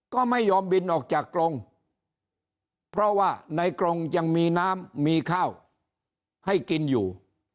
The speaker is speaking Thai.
ก็ไม่ยอมบินออกจากกรงเพราะว่าในกรงยังมีน้ำมีข้าวให้กินอยู่